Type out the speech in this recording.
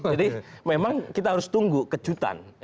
jadi memang kita harus tunggu kejutan